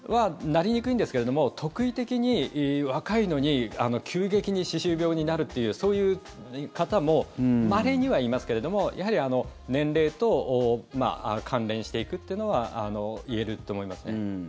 なりにくいんですけども特異的に、若いのに急激に歯周病になるというそういう方もまれにはいますけれどもやはり年齢と関連していくというのは言えると思いますね。